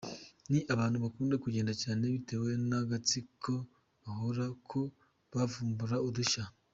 Ni abantu bakunda kugenda cyane bitewe n’amatsiko bahorana yo kuvumbura udushya.